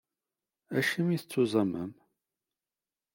Acimi i tettuẓumem?